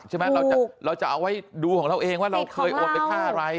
ใช่ไหมเราจะเอาไว้ดูของเราเองว่าเราเคยโอนไปค่าอะไร